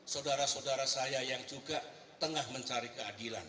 saudara saudara saya yang juga tengah mencari keadilan